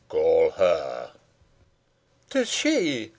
"Call her." "'Tis she!"